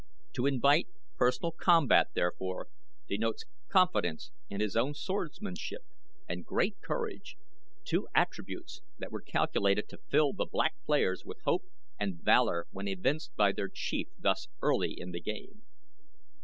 To invite personal combat, therefore, denotes confidence in his own swordsmanship, and great courage, two attributes that were calculated to fill the Black players with hope and valor when evinced by their Chief thus early in the game.